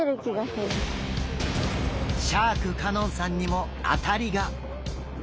シャーク香音さんにも当たりが。